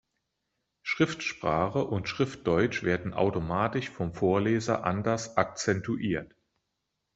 Schriftsprache und Schriftdeutsch werden automatisch vom Vorleser anders akzentuiert.